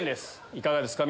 いかがですか？